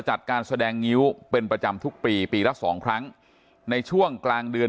จัดการแสดงงิ้วเป็นประจำทุกปีปีละสองครั้งในช่วงกลางเดือน